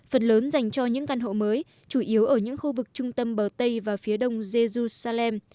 phần lớn dành cho những căn hộ mới chủ yếu ở những khu vực trung tâm bờ tây và phía đông jejusalem